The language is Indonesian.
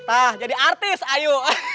nah jadi artis ayu